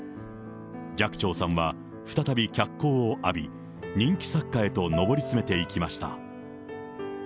寂聴さんは再び脚光を浴び、人気作家へと上り詰めていきました。